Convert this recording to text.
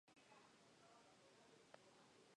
Su palabra era elocuente, decisiva, sabia y eficaz.